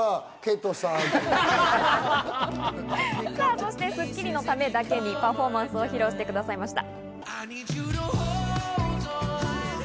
そして『スッキリ』のためだけに、パフォーマンスを披露してくださいました。